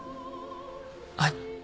はい？